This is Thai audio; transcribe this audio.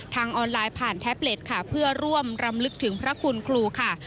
ออนไลน์ผ่านแท็บเล็ตค่ะเพื่อร่วมรำลึกถึงพระคุณครูค่ะ